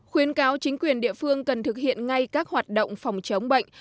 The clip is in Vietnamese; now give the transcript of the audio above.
khuyến cáo chính quyền địa phương cần thực hiện ngay các hoạt động phòng chống bệnh